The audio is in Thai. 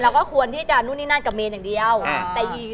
เราก็ควรที่จะนู่นนี่นั่นกับเมนอย่างเดียวแต่อยู่